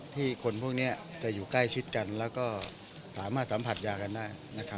คนพวกนี้จะอยู่ใกล้ชิดกันแล้วก็สามารถสัมผัสยากันได้